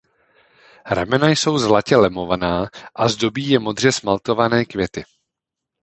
Ramena jsou zlatě lemovaná a zdobí je modře smaltované květy.